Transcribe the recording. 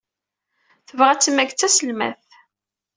Tebɣa ad temmag d taselmadt